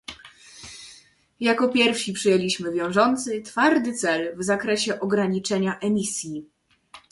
Jako pierwsi przyjęliśmy wiążący, twardy cel w zakresie ograniczenia emisji